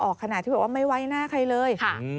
ออกขนาดที่บอกว่าไม่ไหวหน้าใครเลย